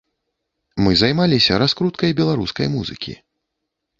Мы займаліся раскруткай беларускай музыкі.